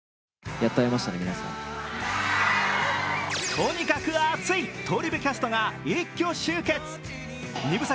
とにかく熱い、「東リベ」キャストが一挙集結。